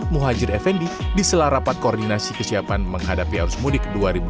muhajir effendi di selarapat koordinasi kesiapan menghadapi arus mudik dua ribu dua puluh